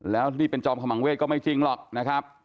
แล้วที่เป็นจอมขมังเวทก็ไม่จริงหรอกนะครับ